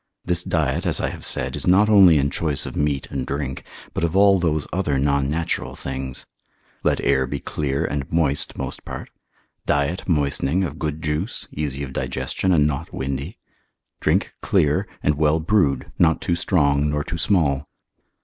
This diet, as I have said, is not only in choice of meat and drink, but of all those other non natural things. Let air be clear and moist most part: diet moistening, of good juice, easy of digestion, and not windy: drink clear, and well brewed, not too strong, nor too small.